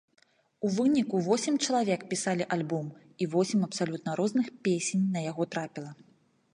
У выніку восем чалавек пісалі альбом і восем абсалютна розных песень на яго трапіла.